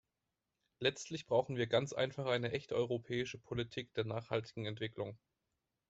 Letztlich brauchen wir ganz einfach eine echte europäische Politik der nachhaltigen Entwicklung.